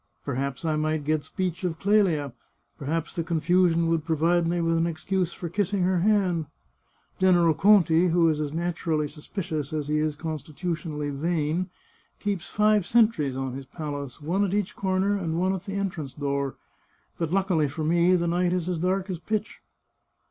Perhaps I might get speech of Clelia; perhaps the con fusion would provide me with an excuse for kissing her hand. General Conti, who is as naturally suspicious as he is constitutionally vain, keeps five sentries on his palace, one at each corner and one at the entrance door. But luck ily for me the night is as dark as pitch."